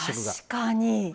確かに。